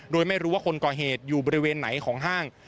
โดยไม่รู้ว่าคนก่อเหตุอยู่บริเวณไหนของห้าง